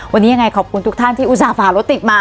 วันนี้ยังไงขอบคุณทุกท่านที่อุตส่าห์รถติดมา